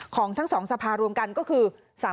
ของทั้งสองสภารวมกันก็คือ๓๗๖